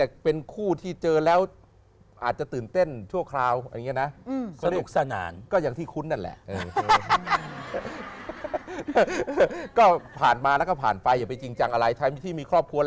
ก็ผ่านมาแล้วก็ผ่านไปอย่าไปจริงจังอะไร